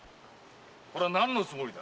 これは何のつもりだ？